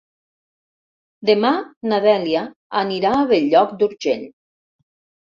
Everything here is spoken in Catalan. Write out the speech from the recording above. Demà na Dèlia anirà a Bell-lloc d'Urgell.